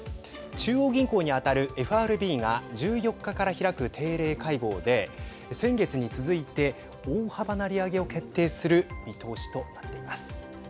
中央銀行にあたるＦＲＢが１４日から開く定例会合で先月に続いて大幅な利上げを決定する見通しとなっています。